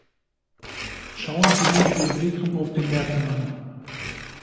Schauen Sie sich die Entwicklung auf den Märkten an.